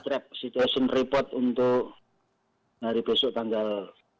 setiap situation report untuk hari besok tanggal enam belas